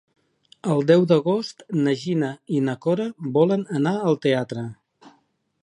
El deu d'agost na Gina i na Cora volen anar al teatre.